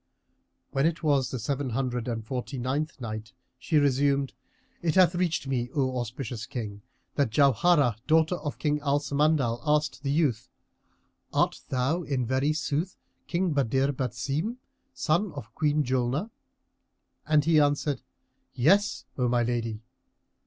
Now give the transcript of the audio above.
When it was the Seven Hundred and Forty ninth Night, She resumed, It hath reached me, O auspicious King, that Jauharah, daughter of King Al Samandal, asked the youth, "Art thou in very sooth King Badr Basim, son of Queen Julnar?" And he answered, "Yes, O my lady!"